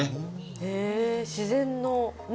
へえ自然のね